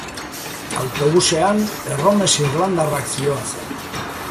Autobusean erromes irandarrak zihoazen.